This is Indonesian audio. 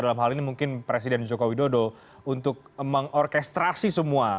dalam hal ini mungkin presiden joko widodo untuk mengorkestrasi semua